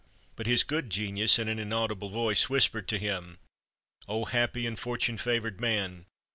But his good genius in an inaudible voice whispered to him: "O happy and fortune favored man!